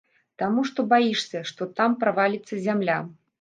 Таму што баішся, што там праваліцца зямля.